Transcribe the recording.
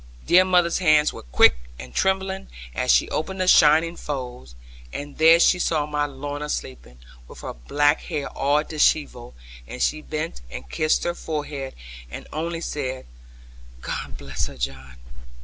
Dear mother's hands were quick and trembling, as she opened the shining folds; and there she saw my Lorna sleeping, with her black hair all dishevelled, and she bent and kissed her forehead, and only said, 'God bless her, John!'